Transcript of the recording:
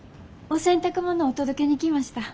お洗濯物お届けに来ました。